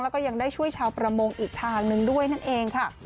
แล้วก็ยังได้ช่วยชาวประมงอีกทางหนึ่งด้วยนั่นเองค่ะ